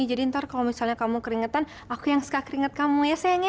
jadi ntar kalau misalnya kamu keringetan aku yang suka keringet kamu ya sayang ya